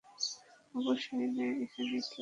অবশ্যই না, এখানে কেউ আসে না।